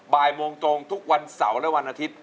บ่ายโมงตรงทุกวันเสาร์และวันอาทิตย์